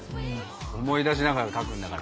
思い出しながら描くんだから。